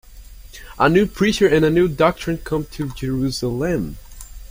A new preacher and a new doctrine come to Jerusalem.